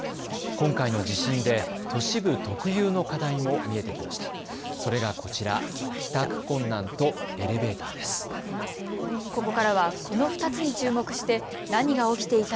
今回の地震で都市部特有の課題も見えてきました。